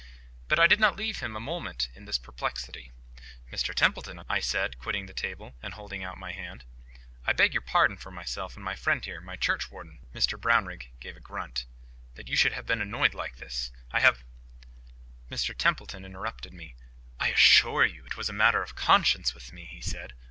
But I did not leave him a moment in this perplexity. "Mr Templeton," I said, quitting the table, and holding out my hand, "I beg your pardon for myself and my friend here, my churchwarden"—Mr Brownrigg gave a grunt—"that you should have been annoyed like this. I have—" Mr Templeton interrupted me. "I assure you it was a matter of conscience with me," he said.